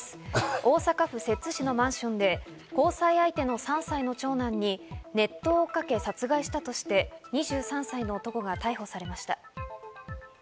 大阪府摂津市のマンションで交際相手の３歳の長男に熱湯をかけ殺害したとして、２３歳の男が逮捕されました。